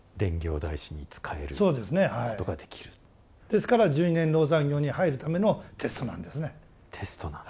ですから十二年籠山行に入るためのテストなんですね。